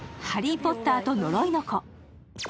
「ハリー・ポッターと呪いの子」